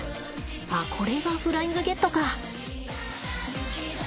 ああこれがフライングゲットか。